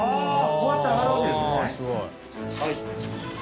こうやって上がるわけですね。